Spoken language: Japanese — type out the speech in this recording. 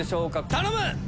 頼む！